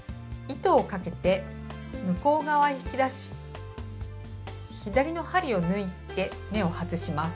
糸をかけて向こう側へ引き出し左の針を抜いて目を外します。